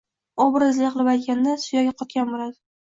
Obrazli qilib aytganda, “suyagi qotgan” boʻladi